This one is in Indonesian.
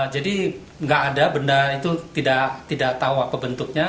jadi nggak ada benda itu tidak tahu apa bentuknya